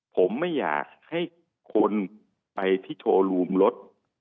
ผมไม่อยากให้คนไปที่โชว์รูมรถ